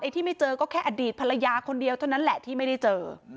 ที่ไม่เจอก็แค่อดีตภรรยาคนเดียวเท่านั้นแหละที่ไม่ได้เจอ